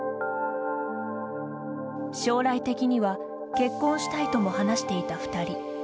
将来的には結婚したいとも話していた２人。